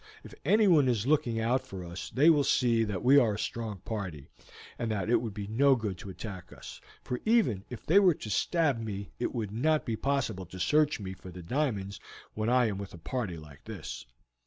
If anyone is looking out for us they will see that we are a strong party, and that it would be no good to attack us, for even if they were to stab me it would not be possible to search me for the diamonds when I am with a party like this."